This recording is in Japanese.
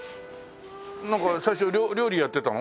なんか最初料理やってたの？